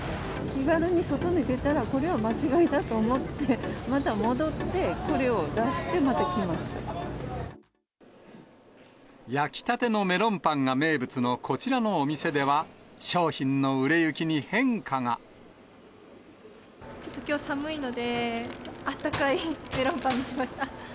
気軽に外に出たら、これは間違いだと思って、また戻って、これを出して、焼きたてのメロンパンが名物のこちらのお店では、ちょっときょう寒いので、あったかいメロンパンにしました。